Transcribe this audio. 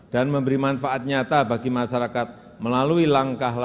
dan memberi manfaat nyata bagi masyarakat melalui kinerja dan daerah tni polri